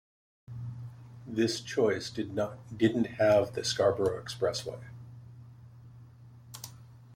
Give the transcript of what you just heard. This choice didn't have the Scarborough Expressway.